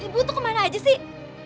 ibu tuh kemana aja sih